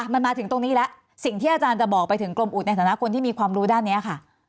มันมาถึงตรงนี้แล้วสิ่งที่อาจารย์จะบอกไปถึงกรมอุดในฐานะคนที่มีความรู้ด้านนี้ค่ะ